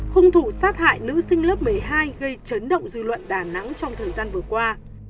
hung thủ sát hại nữ sinh lớp một mươi hai gây chấn động dư luận đà nẵng trong thời gian vừa qua